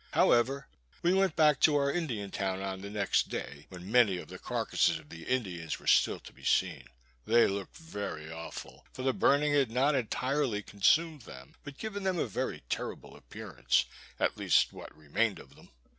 However we went back to our Indian town on the next day, when many of the carcasses of the Indians were still to be seen. They looked very awful, for the burning had not entirely consumed them, but given them a very terrible appearance, at least what remained of them.